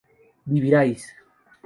vivirías